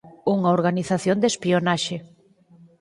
Unha organización de espionaxe